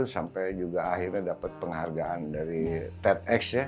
sampai juga akhirnya dapat penghargaan dari ted x ya